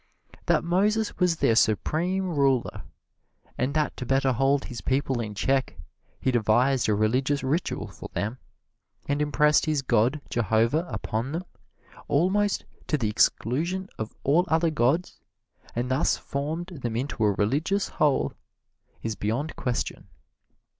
That Moses was their supreme ruler, and that to better hold his people in check he devised a religious ritual for them, and impressed his god, Jehovah, upon them, almost to the exclusion of all other gods, and thus formed them into a religious whole, is beyond question.